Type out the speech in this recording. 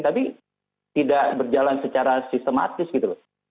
tapi tidak berjalan secara sistematis gitu loh